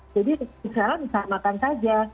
jadi misalnya bisa makan saja